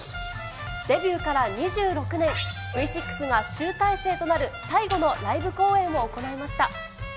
デビューから２６年、Ｖ６が集大成となる最後のライブ公演を行いました。